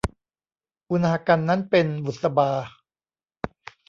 อุณากรรณนั้นเป็นบุษบา